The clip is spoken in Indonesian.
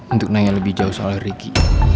untuk nanya lebih jauh soal ricky